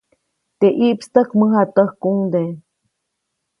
Teʼ ʼiʼpstäjk, mäjatäjkuŋde.